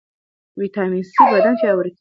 ویټامین سي بدن پیاوړی کوي.